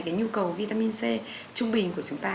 cái nhu cầu vitamin c trung bình của chúng ta